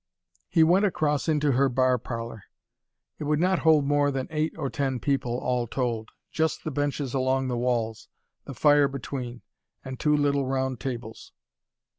He went across into her bar parlour. It would not hold more than eight or ten people, all told just the benches along the walls, the fire between and two little round tables.